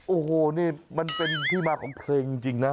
โอ้โหนี่มันเป็นที่มาของเพลงจริงนะ